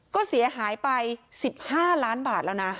ก็เสียหายไป๑๕ล้านบาทแล้วนะ